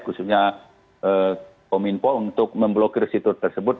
khususnya kemenkominfo untuk memblokir situs tersebut